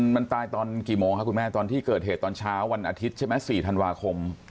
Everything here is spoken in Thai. มันตายตอนกี่โมงครับคุณแม่ตอนที่เกิดเหตุตอนเช้าวันอาทิตย์ใช่ไหม๔ธันวาคม